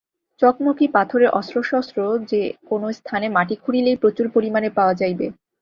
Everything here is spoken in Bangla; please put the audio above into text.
চকমকি-পাথরের অস্ত্রশস্ত্রও যে-কোন স্থানে মাটি খুঁড়িলেই প্রচুর পরিমাণে পাওয়া যাইবে।